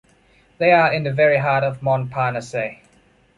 They are in the very heart of Montparnasse.